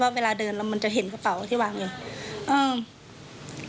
เพราะเวลาเดินมันจะเห็นกระเป๋าที่วางอยู่